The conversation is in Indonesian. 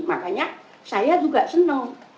makanya saya juga senang